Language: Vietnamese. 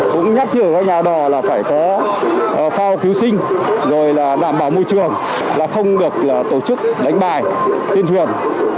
cũng nhắc nhở các nhà đò là phải có phao cứu sinh rồi là đảm bảo môi trường là không được tổ chức đánh bài trên thuyền